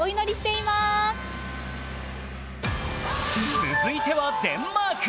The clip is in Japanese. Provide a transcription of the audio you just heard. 続いてはデンマーク。